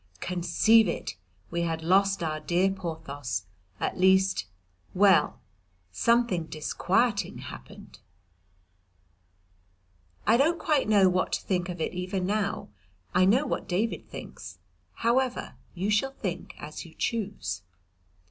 Conceive it, we had lost our dear Porthos at least well something disquieting happened. I don't quite know what to think of it even now. I know what David thinks. However, you shall think as you choose.